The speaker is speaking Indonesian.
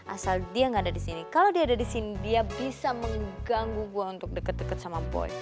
asal dia nggak ada di sini kalau dia ada di sini dia bisa mengganggu gue untuk deket deket sama boy